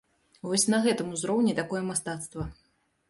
Вось на гэтым узроўні такое мастацтва.